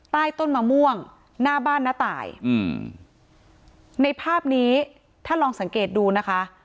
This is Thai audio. ใต้ต้นมะม่วงหน้าบ้านน้าตายอืมในภาพนี้ถ้าลองสังเกตดูนะคะ